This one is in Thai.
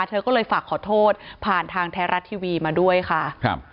เธอก็เลยฝากขอโทษผ่านทางไทยรัฐทีวีมาด้วยค่ะครับ